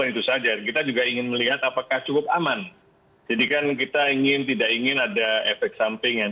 itu saja kita juga ingin melihat apakah cukup aman jadikan kita ingin tidak ingin ada efek samping yang